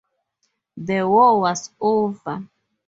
The war was over.